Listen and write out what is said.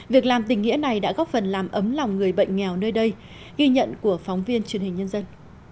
việc làm tình nghĩa này đã góp phần làm ấm lòng người bệnh nghèo nơi đây ghi nhận của phóng viên truyền hình nhân dân